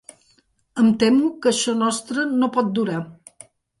Em temo que això nostre no pot durar.